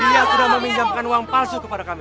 dia sudah meminjamkan uang palsu kepada kami